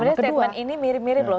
sebenarnya statement ini mirip mirip loh